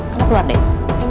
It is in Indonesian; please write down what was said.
kamu keluar deh